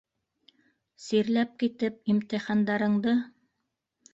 - Сирләп китеп, имтихандарыңды...